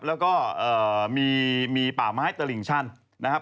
แล้วก็มีป่าไม้ตลิ่งชันนะครับ